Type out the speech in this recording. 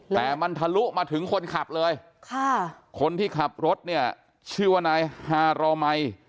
แต่มันทะลุมาถึงคนขับเลยค่ะคนที่ขับรถเนี่ยชื่อว่านายฮารอมัย